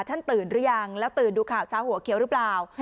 ตื่นหรือยังแล้วตื่นดูข่าวเช้าหัวเขียวหรือเปล่า